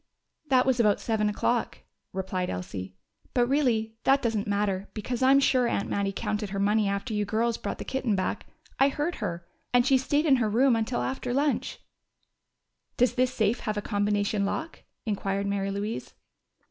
"That was about seven o'clock," replied Elsie. "But really, that doesn't matter, because I'm sure Aunt Mattie counted her money after you girls brought the kitten back. I heard her. And she stayed in her room until after lunch." "Does this safe have a combination lock?" inquired Mary Louise.